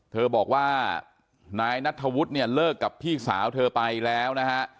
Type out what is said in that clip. เธอบอกว่านายนัทธวุฒิเนี่ยเลิกกับพี่สาวเธอไปแล้วนะฮะ